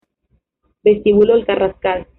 Vestíbulo El Carrascal